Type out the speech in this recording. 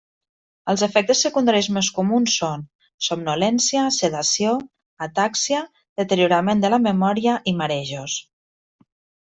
Els efectes secundaris més comuns són: somnolència, sedació, atàxia, deteriorament de la memòria i marejos.